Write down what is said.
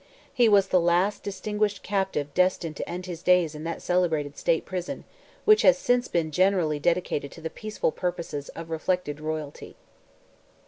He was the last distinguished captive destined to end his days in that celebrated state prison, which has since been generally dedicated to the peaceful purposes of reflected royalty.